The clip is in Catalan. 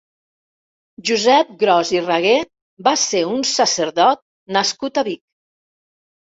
Josep Gros i Raguer va ser un sacerdot nascut a Vic.